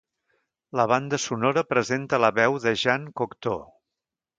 La banda sonora presenta la veu de Jean Cocteau.